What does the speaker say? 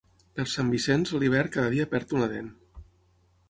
Per Sant Vicenç, l'hivern cada dia perd una dent.